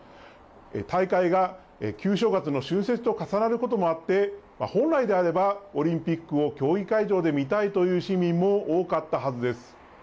大会が旧正月の春節と重なることもあって、本来であれば、オリンピックを競技会場で見たいという市民も多かったはずです。